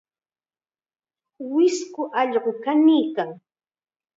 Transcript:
Wisku allqu kanikuykan.